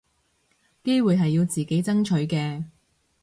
機會係要自己爭取嘅